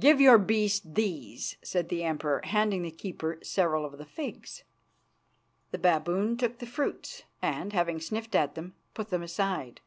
"Give your beast these," said the Emperor, handing the keeper several of the figs. The baboon took the fruits and, having sniffed at them, put them aside.